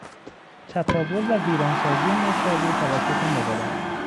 چپاول و ویران سازی نیشابور توسط مغولان